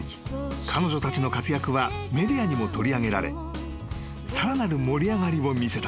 彼女たちの活躍はメディアにも取り上げられさらなる盛り上がりを見せた］